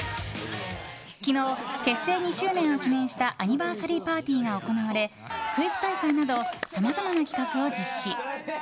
昨日、結成２周年を記念したアニバーサリーパーティーが行われクイズ大会などさまざまな企画を実施。